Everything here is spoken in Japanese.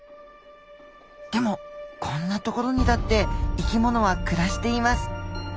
でもこんな所にだって生きものは暮らしています。